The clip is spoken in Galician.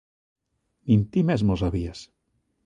Nin ti mesmo o sabías.